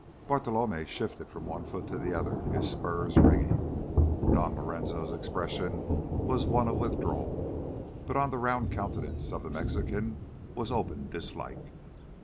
Bartolomé shifted from one foot to the other, his spurs ringing. Don Lorenzo's expression was one of withdrawal, but on the round countenance of the Mexican was open dislike.